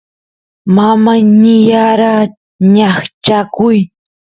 mamay niyara ñaqchakuy